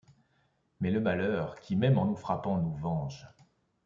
Mais le malheur, qui, même en nous frappant, nous venge